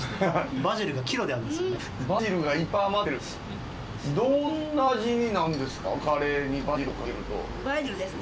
バジルがキロであるんですよね。